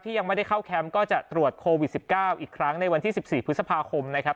ยังไม่ได้เข้าแคมป์ก็จะตรวจโควิด๑๙อีกครั้งในวันที่๑๔พฤษภาคมนะครับ